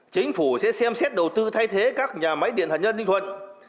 chính phủ sẽ xem xét đầu tư thay thế các nhà máy điện hạt nhân ninh thuận